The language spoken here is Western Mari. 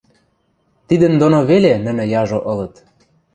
Тидӹн доно веле нӹнӹ яжо ылыт.